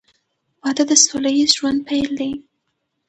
• واده د سوله ییز ژوند پیل دی.